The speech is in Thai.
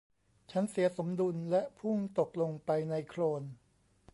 ฉันเสียสมดุลและพุ่งตกลงไปในโคลน